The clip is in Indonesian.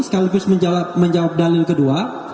sekaligus menjawab dalil kedua